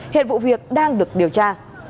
hiện vụ việc đang được điều tra